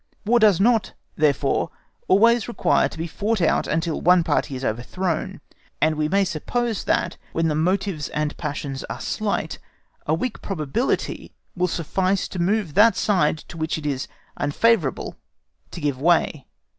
War does not, therefore, always require to be fought out until one party is overthrown; and we may suppose that, when the motives and passions are slight, a weak probability will suffice to move that side to which it is unfavourable to give way.